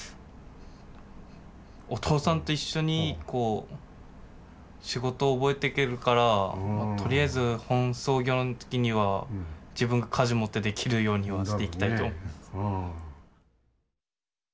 お父さんと一緒に仕事を覚えていけるからとりあえず本操業の時には自分が舵持ってできるようにはしていきたいと思います。